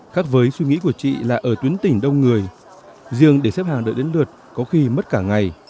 khác với suy nghĩ của chị là ở tuyến tỉnh đông người riêng để xếp hàng đợi đến lượt có khi mất cả ngày